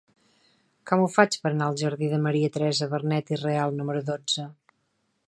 Com ho faig per anar al jardí de Maria Teresa Vernet i Real número dotze?